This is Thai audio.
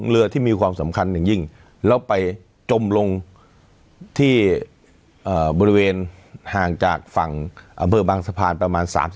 เรือที่มีความสำคัญจริงจริงแล้วไปจมลงที่บริเวณห่างจากฝั่งเรื่องบางสภาพประมาณ๓๗